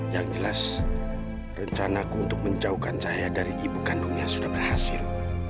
yang jelas rencana aku untuk menjauhkan saya dari ibu kandungnya sudah berhasil